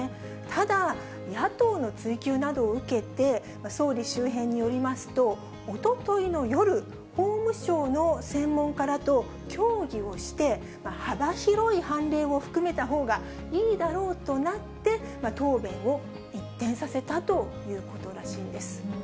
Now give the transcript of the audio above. ただ、野党の追及などを受けて、総理周辺によりますと、おとといの夜、法務省の専門家らと協議をして、幅広い判例を含めたほうがいいだろうとなって、答弁を一転させたということらしいんです。